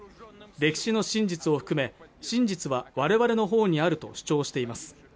歴史の真実を含め真実は我々のほうにあると主張しています